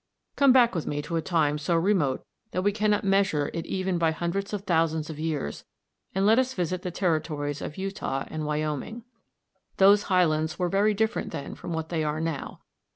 Come back with me to a time so remote that we cannot measure it even by hundreds of thousands of years, and let us visit the territories of Utah and Wyoming. Those highlands were very different then from what they are now.